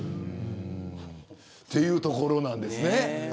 ていうところなんですね。